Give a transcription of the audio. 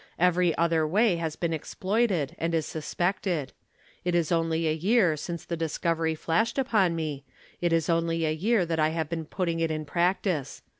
Every other way has been exploited and is suspected. It is only a year since the discovery flashed upon me, it is only a year that I have been putting it in practice.